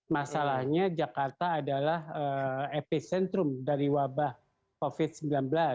masalahnya jakarta adalah epicentrum dari wabah covid sembilan belas